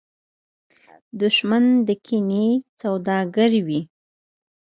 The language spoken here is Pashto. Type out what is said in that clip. دښمن د کینې سوداګر وي